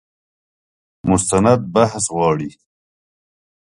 مستند بحث غواړي.